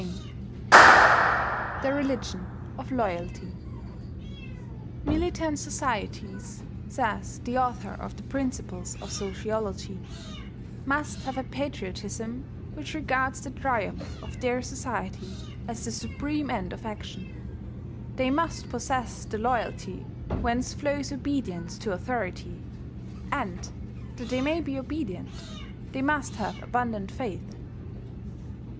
THE RELIGION OF LOYALTY "Militant societies," says the author of the Principles of Sociology, "must have a patriotism which regards the triumph of their society as the supreme end of action; they must possess the loyalty whence flows obedience to authority, and, that they may be obedient, they must have abundant faith."